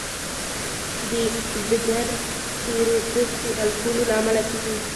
د ځګر سیروسس د الکولو له امله کېږي.